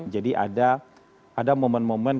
jadi ada momen momen